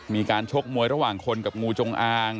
ชกมวยระหว่างคนกับงูจงอาง